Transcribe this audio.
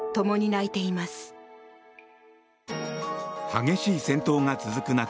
激しい戦闘が続く中